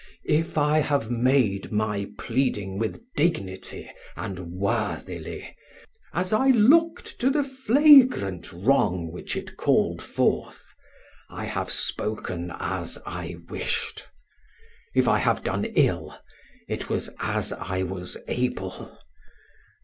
If I have made my pleading with dignity and worthily, as I looked to the flagrant wrong which called it forth, I have spoken as I wished. If I have done ill, it was as I was able.